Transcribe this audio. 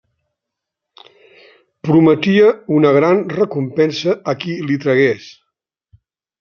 Prometia una gran recompensa a qui li tragués.